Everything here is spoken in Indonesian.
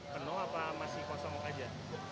penuh apa masih kosong aja